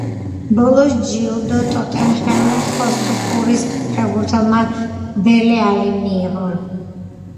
ბოლოს ჯილდო ტოტენჰემ ჰოტსპურის ფეხბურთელმა დელე ალიმ მიიღო.